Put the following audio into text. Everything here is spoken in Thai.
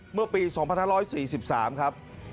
เมื่อปีสองพันห้าร้อยสี่สิบสามครับ